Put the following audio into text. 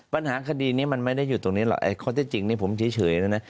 ปัญหาคดีนี้มันไม่ได้อยู่ตรงนี้หรอกข้อที่จริงนี่ผมเฉยนะนะ